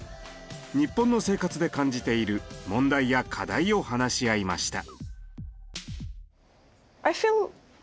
日本の生活で感じている問題や課題を話し合いました。